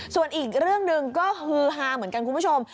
ส่วนอีกเรื่องหนึ่งก็ฮือฮาเหมือนกันคุณผู้ชม